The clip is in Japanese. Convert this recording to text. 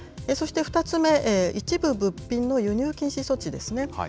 そして、２つ目、一部物品の輸入禁止措置ですね。